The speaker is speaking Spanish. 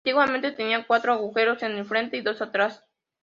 Antiguamente tenía cuatro agujeros en el frente y dos atrás.